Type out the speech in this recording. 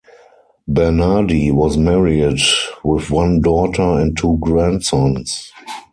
Bernardi was married, with one daughter and two grandsons.